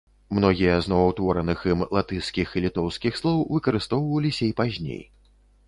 Многія з новаўтвораных ім латышскіх і літоўскіх слоў выкарыстоўваліся і пазней.